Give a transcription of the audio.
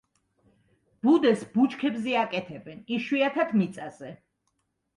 ბუდეს ბუჩქებზე აკეთებენ, იშვიათად მიწაზე.